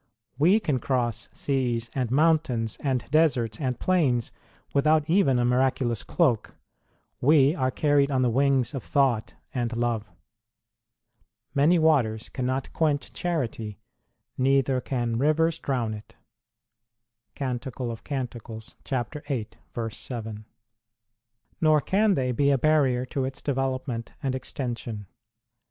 We can cross seas and mountains and deserts and plains with out even a miraculous cloak; we are carried on the wings of thought and love. Many waters cannot quench charity, neither can rivers drown it, 1 nor can they be a barrier to its develop ment and extension.